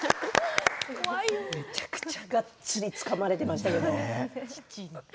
めちゃくちゃがっつりつかまれていましたね。